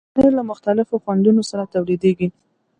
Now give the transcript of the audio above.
پنېر له مختلفو خوندونو سره تولیدېږي.